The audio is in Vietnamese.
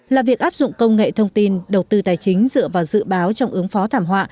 là việc áp dụng công nghệ thông tin đầu tư tài chính dựa vào dự báo trong ứng phó thảm họa